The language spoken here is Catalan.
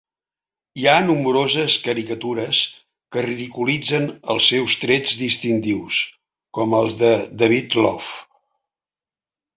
Hi ha nombroses caricatures que ridiculitzen els seus trets distintius, com els de David Low.